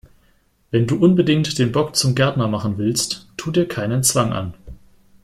Wenn du unbedingt den Bock zum Gärtner machen willst, tu dir keinen Zwang an!